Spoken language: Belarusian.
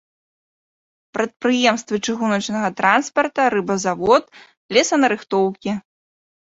Прадпрыемствы чыгуначнага транспарта, рыбазавод, лесанарыхтоўкі.